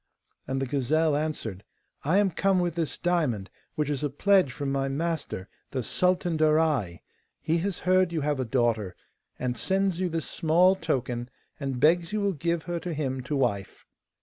And the gazelle answered: 'I am come with this diamond, which is a pledge from my master the Sultan Darai. He has heard you have a daughter, and sends you this small token, and begs you will give her to him to wife.